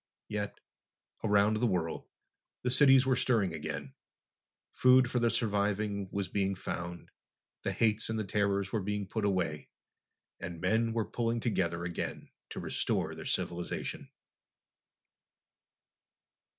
Yet, around the world, the cities were stirring again. Food for the surviving was being found. The hates and the terrors were being put away and men were pulling together again to restore their civilization.